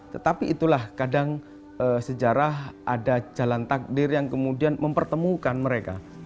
tetapi itulah kadang sejarah ada jalan takdir yang kemudian mempertemukan mereka